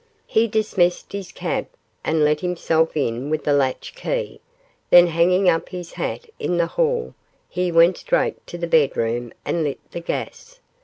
He dismissed his cab, and let himself in with the latch key; then hanging up his hat in the hall he went straight to the bedroom and lit the gas.